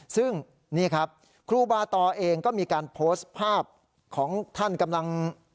ซึ่งนี่ครับครูบาตอเองก็มีการโพสต์ภาพของท่านกำลัง